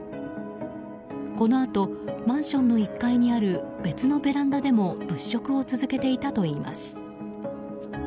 このあと、マンションの１階にある別のベランダでも物色を続けていたといいます。